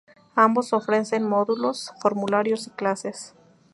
Ambos ofrecen módulos, formularios y clases.